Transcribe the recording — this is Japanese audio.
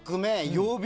曜日